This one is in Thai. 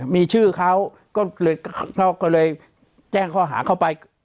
มีชื่อเขาก็เลยเขาก็เลยแจ้งข้อหาเข้าไป